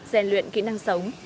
trải nghiệm gian luyện kỹ năng sống